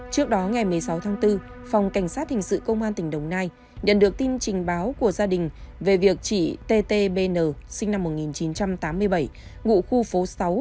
trước đó ngày một mươi sáu tháng bốn phòng cảnh sát hình sự công an tỉnh đồng nai nhận được tin trình báo của gia đình về việc chị t t b n sinh năm một nghìn chín trăm tám mươi bảy